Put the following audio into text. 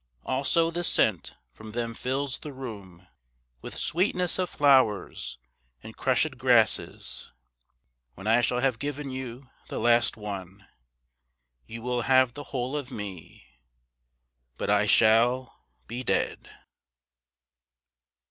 Also the scent from them fills the room With sweetness of flowers and crushed grasses. When I shall have given you the last one, You will have the whole of me, But I shall be dead.